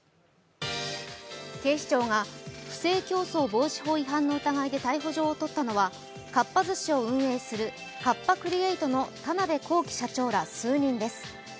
警視庁が不正競争防止法違反の疑いで逮捕状を取ったのはかっぱ寿司を運営するカッパ・クリエイトの田辺公己社長ら４人です。